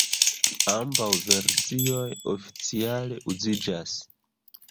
Ambaŭ versioj oficiale uziĝas.